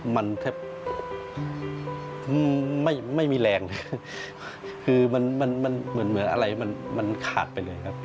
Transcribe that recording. มันแทบไม่มีแรงคือเหมือนอะไรมันขาดไปเลยครับ